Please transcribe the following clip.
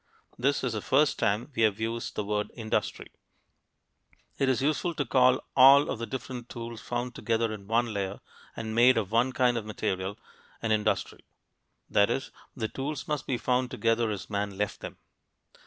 This is the first time we have used the word "industry." It is useful to call all of the different tools found together in one layer and made of one kind of material an industry; that is, the tools must be found together as men left them.